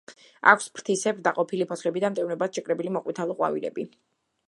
აქვს ფრთისებრ დაყოფილი ფოთლები და მტევნებად შეკრებილი მოყვითალო ყვავილები.